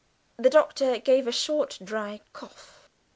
The Doctor gave a short, dry cough.